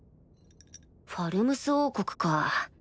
ファルムス王国か